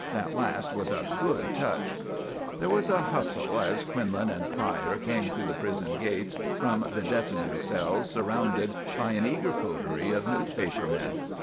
"That last was a good touch." There was a hustle as Quinlan and Pryor came through the prison gates from the detinue cells surrounded by an eager coterie of newspaper men.